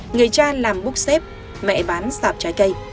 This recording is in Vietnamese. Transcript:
người cha làm búc xếp mẹ bán sạp trái cây